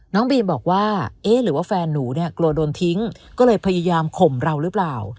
น้องบีมบอกว่าเอ๊ะหรือว่าแฟนหนูเนี่ยกลัวโดนทิ้งก็เลยพยายามข่มเราหรือเปล่า